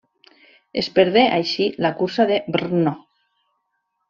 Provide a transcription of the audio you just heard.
Es perdé així la cursa de Brno.